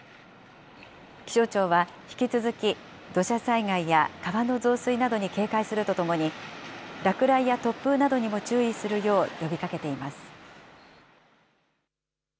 気象庁は、引き続き土砂災害や川の増水などに警戒するとともに、落雷や突風などにも注意するよう呼びかけています。